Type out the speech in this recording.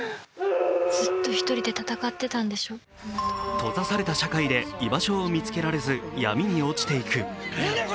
閉ざされた社会で居場所を見つけられず闇に落ちていく。